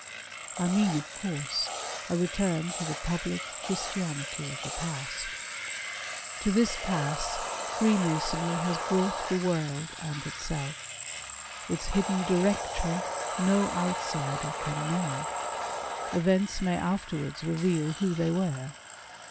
I mean of course a return to the public Christianity of the past. To this pass Freemasonry has brought the world and itself. Its hidden Directory no outsider can know. Events may after wards reveal who they were.